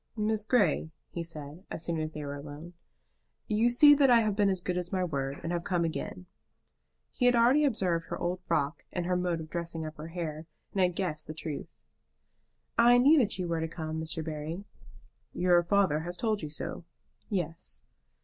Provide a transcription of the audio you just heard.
"Miss Grey," he said, as soon as they were alone, "you see that I have been as good as my word, and have come again." He had already observed her old frock and her mode of dressing up her hair, and had guessed the truth. "I knew that you were to come, Mr. Barry." "Your father has told you so." "Yes."